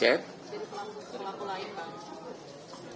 dari pelaku lain pak